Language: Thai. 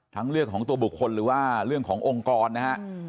เรื่องของตัวบุคคลหรือว่าเรื่องขององค์กรนะฮะ